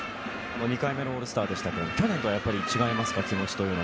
２回目のオールスターでしたが去年とは違いますか？